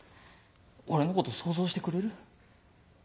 「俺のこと想像してくれる？」。